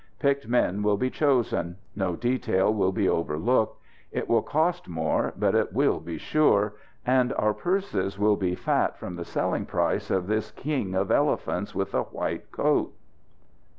Picked men will be chosen. No detail will be overlooked. It will cost more, but it will be sure. And our purses will be fat from the selling price of this king of elephants with a white coat!"